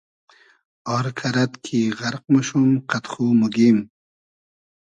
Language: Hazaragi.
آر کئرئد کی غئرق موشوم قئد خو موگیم